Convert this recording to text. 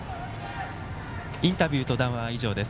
インタビューと談話は以上です。